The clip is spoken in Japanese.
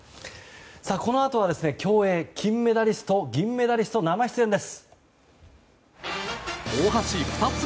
さあ、このあとは競泳金メダリスト、銀メダリスト続いては競泳です。